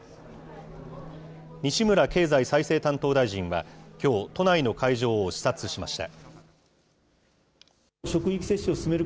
西村経済再生担当大臣は、きょう、都内の会場を視察しました。